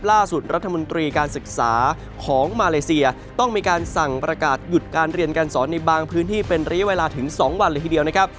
ล่าสุดรัฐมนตรีการศึกษาของมาเลเซียต้องมีการสั่งประกาศหยุดการเรียนการสอนในบางพื้นที่เป็นระยะเวลาถึง๒วันเลยทีเดียวนะครับ